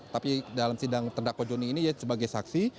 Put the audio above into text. tapi dalam sidang terdakwa joni ini sebagai saksi